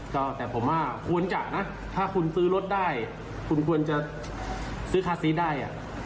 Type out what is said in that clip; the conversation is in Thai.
ก็แต่ผมว่าควรจะนะถ้าคุณซื้อรถได้คุณควรจะซื้อค่าซื้อได้